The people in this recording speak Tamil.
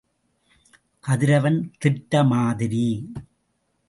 கதிரவன் திட்ட மாதிரி.